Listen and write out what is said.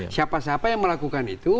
siapa siapa yang melakukan itu